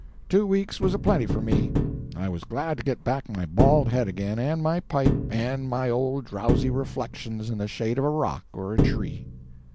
Two weeks was a plenty for me. I was glad to get back my bald head again, and my pipe, and my old drowsy reflections in the shade of a rock or a tree."